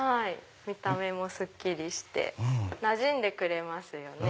見た目もすっきりしてなじんでくれますよね。